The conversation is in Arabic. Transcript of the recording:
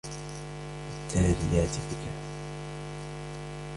فالتاليات ذكرا